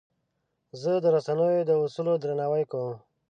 زه د رسنیو د اصولو درناوی کوم.